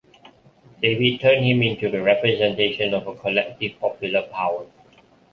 David turned him into the representation of a collective, popular power.